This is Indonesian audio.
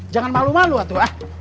jangan malu malu atu